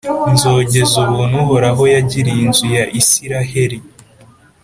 nzogeza ubuntu uhoraho yagiriye inzu ya israheli,